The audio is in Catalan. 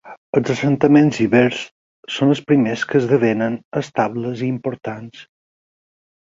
Els assentaments ibers són els primers que esdevenen estables i importants.